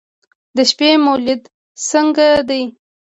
د شپې مو لید څنګه دی؟